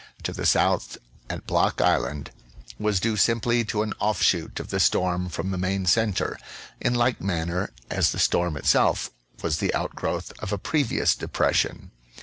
to the south at Block Island was due simply to an off shoot of the storm from the main centre, in like manner as the storm itself was the outgrowth of a previous depression.